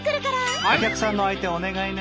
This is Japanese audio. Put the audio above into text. お客さんの相手お願いね。